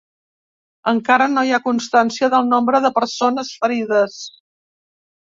Encara no hi ha constància del nombre de persones ferides.